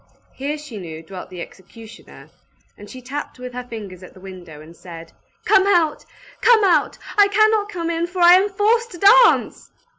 Here, she knew, dwelt the executioner; and she tapped with her fingers at the window, and said, "Come out! Come out! I cannot come in, for I am forced to dance!"